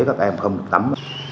các em không được tắm